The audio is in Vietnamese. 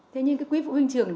thế nhưng cái quỹ phụ huynh trường